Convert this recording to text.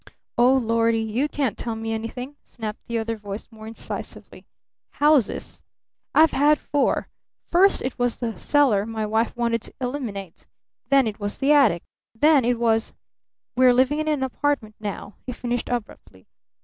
"Oh, Lordy! You can't tell me anything!" snapped the other voice more incisively. "Houses? I've had four! First it was the cellar my wife wanted to eliminate! Then it was the attic! Then it was We're living in an apartment now!" he finished abruptly.